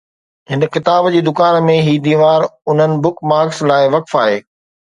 هن ڪتاب جي دڪان ۾، هي ديوار انهن بک مارڪس لاء وقف آهي